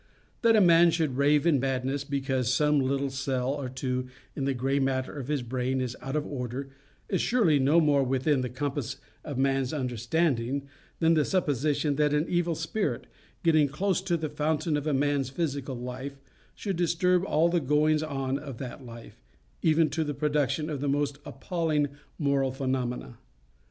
That a man should rave in madness because some little cell or two in the grey matter of his brain is out of order, is surely no more within the compass of man's understanding than the supposition that an evil spirit, getting close to the fountain of a man's physical life, should disturb all the goings on of that life, even to the production of the most appalling moral phenomena.